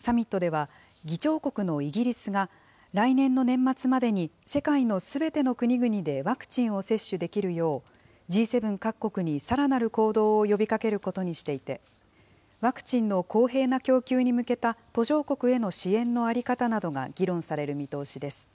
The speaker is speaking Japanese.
サミットでは、議長国のイギリスが、来年の年末までに世界のすべての国々でワクチンを接種できるよう、Ｇ７各国にさらなる行動を呼びかけることにしていて、ワクチンの公平な供給に向けた途上国への支援の在り方などが議論される見通しです。